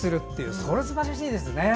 それはすばらしいですね。